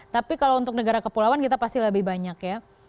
tapi kalau untuk negara kepulauan kita pasti lebih banyak ya